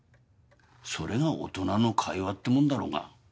それが大人の会話ってもんだろうが。